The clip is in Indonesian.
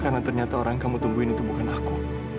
karena ternyata orang kamu nungguin itu bukan aku